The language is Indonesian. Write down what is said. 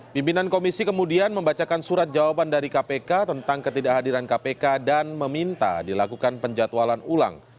pimpinan komisi kemudian membacakan surat jawaban dari kpk tentang ketidakhadiran kpk dan meminta dilakukan penjatualan ulang